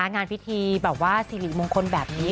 งานพิธีแบบว่าสิริมงคลแบบนี้